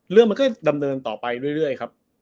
เรื่องมันก็ดำเนินต่อไปเรื่อยครับ